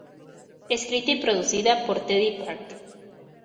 Escrita y producida por Teddy Park.